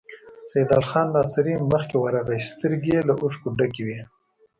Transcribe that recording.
سيدال خان ناصري مخکې ورغی، سترګې يې له اوښکو ډکې وې.